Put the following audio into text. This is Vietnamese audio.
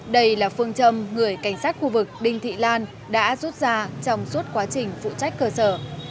đây là phương châm người cảnh sát khu vực đinh thị lan đã rút ra trong suốt quá trình phụ trách cơ sở